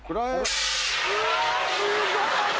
うわすごい音！